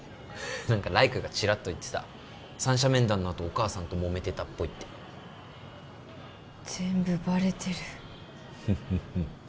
何か来玖がチラッと言ってた三者面談のあとお母さんともめてたっぽいって全部バレてるフッフッフッ